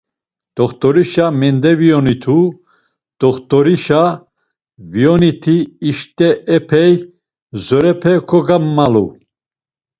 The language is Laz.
T̆oxt̆orişa mendeviyonitu, t̆oxt̆orişa viyoniti işte epey zorepe kogammalu.